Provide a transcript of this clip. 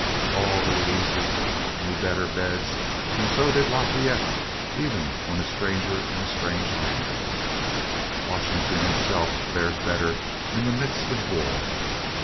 All the Louises knew better beds and so did Lafayette even when a stranger in a strange land. Washington himself fared better in the midst of war.